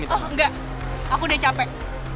itu enggak aku udah capek